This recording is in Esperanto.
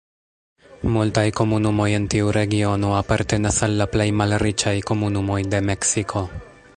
Multaj komunumoj en tiu regiono apartenas al la plej malriĉaj komunumoj de Meksiko.